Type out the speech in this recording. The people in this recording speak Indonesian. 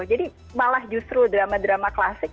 jadi malah justru drama drama klasik